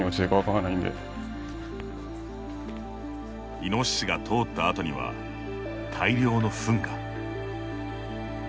イノシシが通った後には大量のふんが。